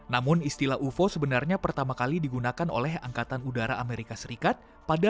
namun istilah ufo sebenarnya pertama kali digunakan oleh angkatan udara amerika serikat pada seribu sembilan ratus lima puluh tiga